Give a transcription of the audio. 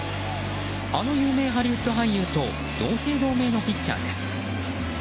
あの有名ハリウッド俳優と同姓同名のピッチャーです。